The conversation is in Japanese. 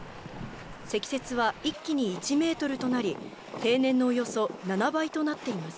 積雪は一気に１メートルとなり、平年のおよそ７倍となっています。